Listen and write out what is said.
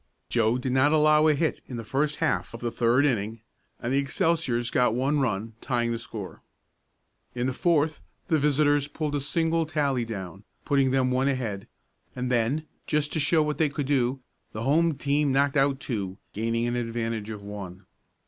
Joe did not allow a hit in the first half of the third inning and the Excelsiors got one run, tying the score. In the fourth the visitors pulled a single tally down, putting them one ahead, and then, just to show what they could do, the home team knocked out two, gaining an advantage of one.